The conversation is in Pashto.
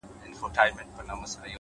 ښه چلند خاموشه ژبه ده’